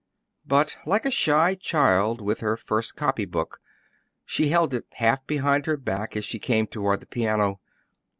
But, like a shy child with her first copy book, she held it half behind her back as she came toward the piano.